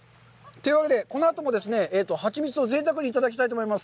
というわけで、このあともハチミツをぜいたくにいただきたいと思います。